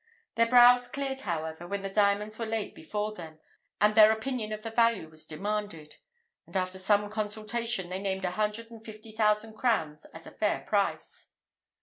Their brows cleared, however, when the diamonds were laid before them, and their opinion of the value was demanded; and after some consultation they named a hundred and fifty thousand crowns as a fair price.